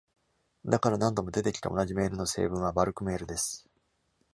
だから、何度も出てきた同じメールの正文はバルクメールです。